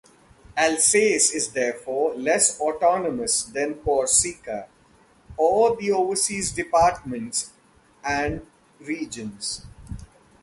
Alsace is therefore less autonomous than Corsica or the overseas departments and regions.